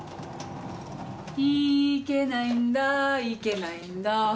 いけないんだいけないんだ